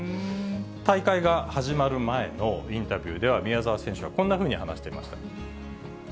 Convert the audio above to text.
大会が始まる前のインタビューでは、宮澤選手はこんなふうに話してました。